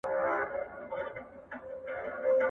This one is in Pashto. لېوانو ته غوښي چا پخ کړي دي